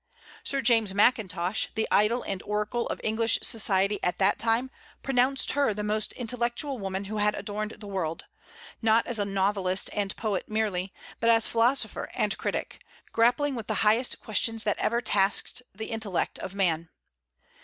Sir James Mackintosh, the idol and oracle of English society at that time, pronounced her the most intellectual woman who had adorned the world, not as a novelist and poet merely, but as philosopher and critic, grappling with the highest questions that ever tasked the intellect of man.